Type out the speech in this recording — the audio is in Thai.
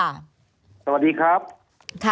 สวัสดีครับ